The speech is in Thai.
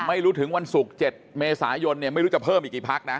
ไม่รู้ถึงวันศุกร์๗เมษายนเนี่ยไม่รู้จะเพิ่มอีกกี่พักนะ